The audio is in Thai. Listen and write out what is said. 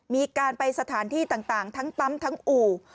มีการไปสถานที่ต่างทั้งปั๊มทั้งอู่